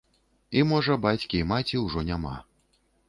І можа бацькі і маці ўжо няма.